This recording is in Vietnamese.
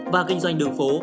và kinh doanh đường phố